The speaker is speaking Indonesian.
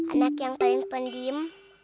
anak yang paling pendim